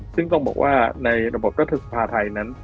ซึ่งต้องบอกว่าในระบบรัฐสภาไทยนั้น